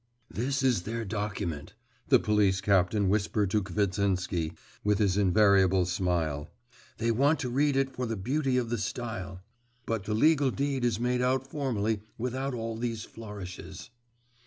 'This is their document!' the police captain whispered to Kvitsinsky, with his invariable smile, 'they want to read it for the beauty of the style, but the legal deed is made out formally, without all these flourishes.